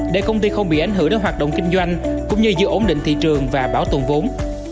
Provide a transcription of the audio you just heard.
để công ty không bị ảnh hưởng đến hoạt động kinh doanh cũng như giữ ổn định thị trường và bảo tồn vốn